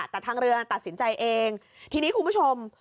แต่ทางเรือตัดสินใจเองทีนี้คุณผู้ชม